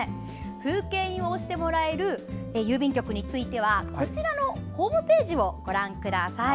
風景印を押してもらえる郵便局についてはこちらのホームページをご覧ください。